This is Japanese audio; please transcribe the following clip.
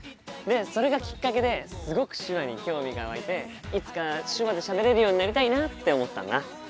それがきっかけですごく手話に興味が湧いていつか手話でしゃべれるようになりたいなって思ったんだ。